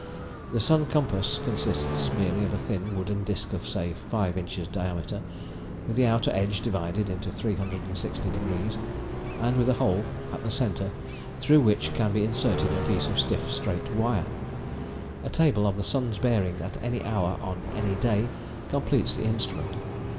The "sun compass" consists merely of a thin wooden disc of say 5 inches diameter, with the outer edge divided into 360 degrees, and with a hole at the centre through which can be inserted a piece of stiff straight wire. A table of the sun's bearing at any hour on any day completes the instrument.